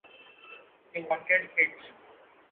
They wanted hits.